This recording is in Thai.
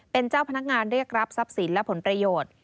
เป็นเจ้าพนักงานเรียกรับทรัพย์สินและผลประโยชน์